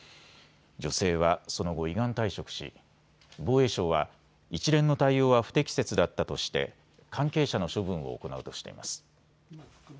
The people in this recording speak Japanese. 女性はその後、依願退職し防衛省は一連の対応は不適切だったとして関係者の処分を行うとしています。